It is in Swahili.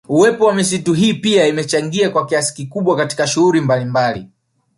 Uwepo wa misitu hii pia imechangia kwa kiasi kikubwa katika shughuli mbalimbali